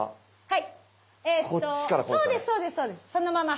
はい。